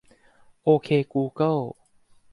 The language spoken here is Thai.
โอเคกูเกิล